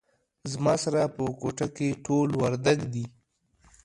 زما سره په کوټه کې ټول وردګ دي